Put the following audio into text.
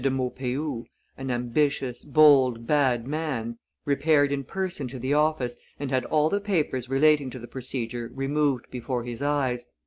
de Maupeou, an ambitious, bold, bad man, repaired in person to the office, and had all the papers relating to the procedure removed before his eyes.